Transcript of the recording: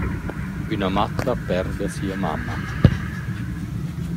Üna matta perda sia mamma.